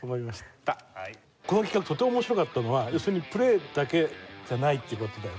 この企画とても面白かったのは要するにプレーだけじゃないっていう事だよね。